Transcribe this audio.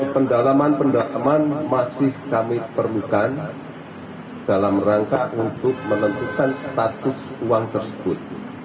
pendalaman pendalaman masih kami perlukan dalam rangka untuk menentukan status uang tersebut